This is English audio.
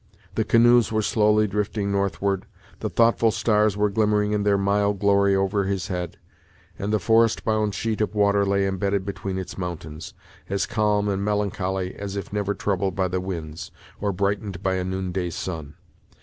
The canoes were slowly drifting northward, the thoughtful stars were glimmering in their mild glory over his head, and the forest bound sheet of water lay embedded between its mountains, as calm and melancholy as if never troubled by the winds, or brightened by a noonday sun.